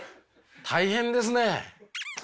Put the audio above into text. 大変ですね！